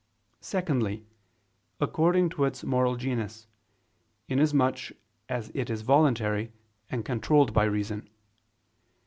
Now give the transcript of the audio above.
Secondly, according to its moral genus, inasmuch as it is voluntary and controlled by reason.